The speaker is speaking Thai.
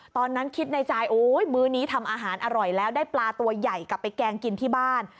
ตอนนั้นคิดในใจโอ๊ยมื้อนี้ทำอาหารอร่อยแล้วได้ปลาตัวใหญ่กลับไปแกงกินที่บ้าน